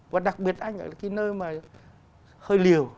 và đặc biệt anh ở là cái nơi mà hơi liều